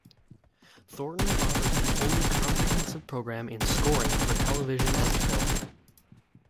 Thornton offers the only comprehensive program in Scoring for Television and Film.